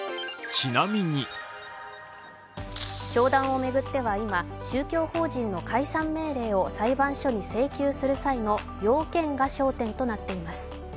教団を巡っては、今、宗教法人の解散命令を裁判所に請求する際の要件が焦点となっています。